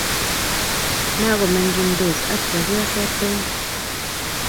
magomengindos ago chepyoset Tom